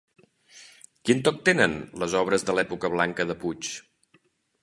Quin toc tenen les obres de l'època blanca de Puig?